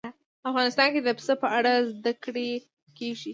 افغانستان کې د پسه په اړه زده کړه کېږي.